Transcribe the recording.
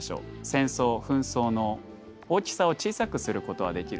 戦争紛争の大きさを小さくすることはできる。